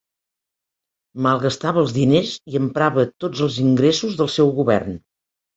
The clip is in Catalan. Malgastava els diners i emprava tots els ingressos del seu govern.